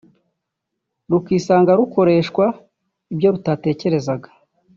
rukisanga rukoreshwa ibyo rutatekerezaga